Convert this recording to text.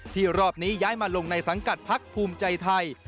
รอบนี้ย้ายมาลงในสังกัดพักภูมิใจไทย